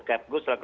kepgub setelah itu